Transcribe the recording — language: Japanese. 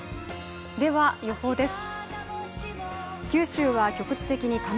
では予報です。